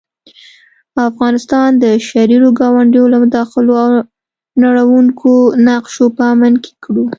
او افغانستان د شريرو ګاونډيو له مداخلو او نړوونکو نقشو په امن کې کړو